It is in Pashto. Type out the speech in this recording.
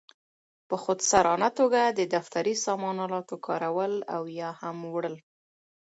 په خودسرانه توګه د دفتري سامان آلاتو کارول او یا هم وړل.